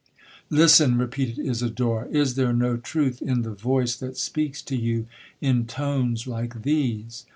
'Listen,' repeated Isidora, 'is there no truth in the voice that speaks to you in tones like these?